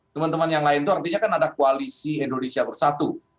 teman teman yang lain itu artinya kan ada koalisi indonesia bersatu